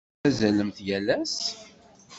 Tettazzalemt yal ass?